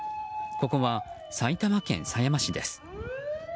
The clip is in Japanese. ここは埼玉県狭山市です。